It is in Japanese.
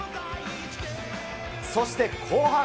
そして後半。